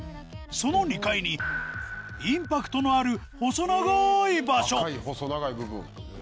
その２階にインパクトのある細長い場所